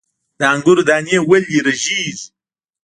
د انګورو دانې ولې رژیږي؟